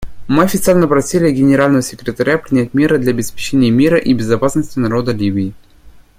Мы официально просили Генерального секретаря принять меры для обеспечения мира и безопасности народа Ливии.